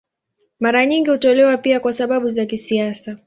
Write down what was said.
Mara nyingi hutolewa pia kwa sababu za kisiasa.